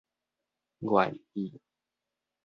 願意